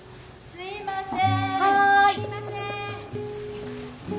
・すいません。